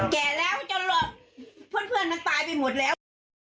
แก่แล้วจนหลอกเพื่อนมันตายไปหมดแล้ว